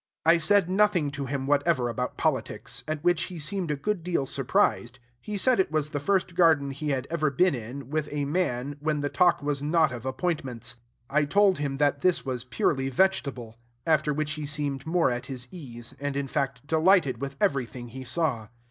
I said nothing to him whatever about politics, at which he seemed a good deal surprised: he said it was the first garden he had ever been in, with a man, when the talk was not of appointments. I told him that this was purely vegetable; after which he seemed more at his ease, and, in fact, delighted with everything he saw.